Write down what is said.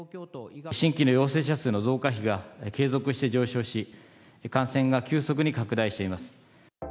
新規の陽性者数の増加比が継続して上昇し、感染が急速に拡大しています。